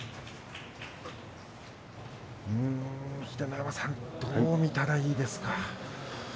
秀ノ山さんどう見たらいいですか。